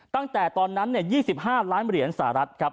ตั้งแต่ตอนนั้น๒๕ล้านเหรียญสหรัฐครับ